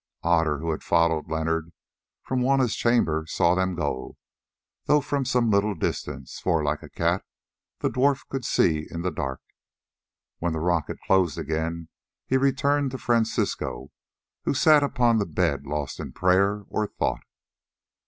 Otter, who had followed Leonard from Juanna's chamber, saw them go, though from some little distance, for, like a cat, the dwarf could see in the dark. When the rock had closed again, he returned to Francisco, who sat upon the bed lost in prayer or thought.